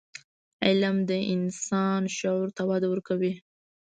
علم د انسان شعور ته وده ورکوي.